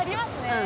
うん。